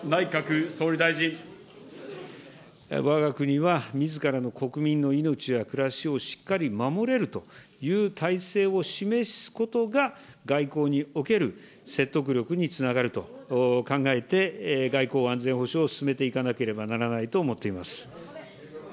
わが国は、みずからの国民の命や暮らしをしっかり守れるという体制を示すことが、外交における説得力につながると考えて、外交・安全保障を進めていかなければならないと思っています。